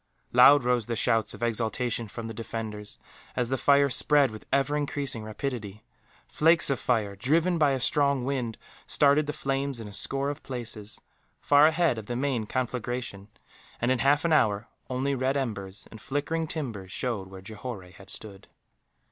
Loud rose the shouts of exultation from the defenders, as the fire spread with ever increasing rapidity; flakes of fire, driven by a strong wind, started the flames in a score of places, far ahead of the main conflagration and, in half an hour, only red embers and flickering timbers showed where Johore had stood.